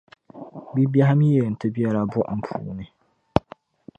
Bibɛhi mi yɛn ti bela buɣum puuni.